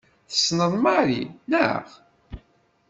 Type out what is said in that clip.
Tessneḍ Mary, naɣ?